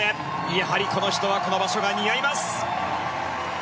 やはり、この人はこの場所が似合います！